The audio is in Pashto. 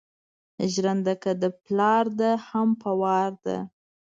ژېرنده که ده پلار ده هم په وار ده